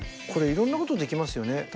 これいろんなことできますよね。